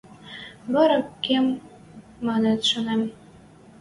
Варарак кем манын шанем.